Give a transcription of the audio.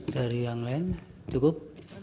dari yang lain cukup